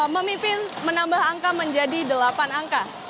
memimpin menambah angka menjadi delapan angka